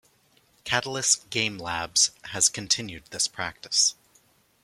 Catalyst Game Labs has continued this practice.